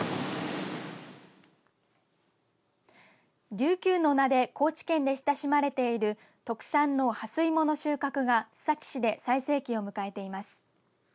リュウキュウの名で高知県で親しまれている特産のハスイモの収穫が須崎市で最盛期を迎えています。